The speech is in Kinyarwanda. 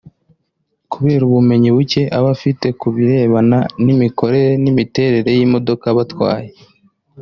kubera ubumenyi bucye aba afite kubirebana n’imikorere n’imiterere y’imodoka aba atwaye